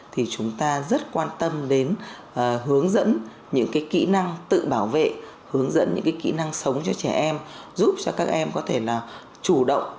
thì chúng ta rất quan tâm đến hướng dẫn những kỹ năng tự bảo vệ hướng dẫn những kỹ năng sống cho trẻ em giúp cho các em có thể là chủ động